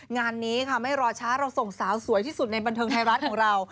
งานนี้ค่ะไม่รอช้าเราส่งสาวสวยที่สุดในบันเทิงไทยรัฐของเรา